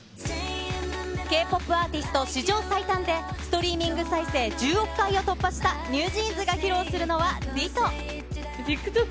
ＫーＰＯＰアーティスト、史上最短で、ストリーミング再生１０億回を突破したＮｅｗＪｅａｎｓが披露するのはＤｉｔｔｏ。